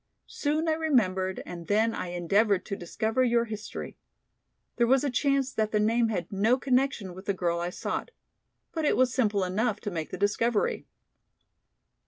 Soon I remembered and then I endeavored to discover your history. There was a chance that the name had no connection with the girl I sought. But it was simple enough to make the discovery."